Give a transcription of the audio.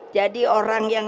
jadi orang yang sayang